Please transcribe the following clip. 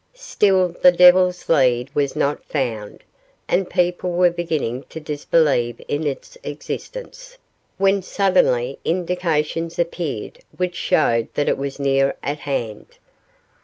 Still the Devil's Lead was not found, and people were beginning to disbelieve in its existence, when suddenly indications appeared which showed that it was near at hand.